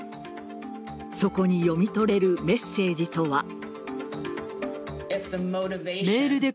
そこに読み取れるメッセージとは。